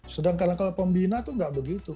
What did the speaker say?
sedangkan kalau pembina itu nggak begitu